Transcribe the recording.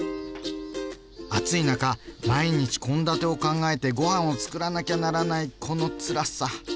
暑い中毎日献立を考えてごはんをつくらなきゃならないこのつらさ。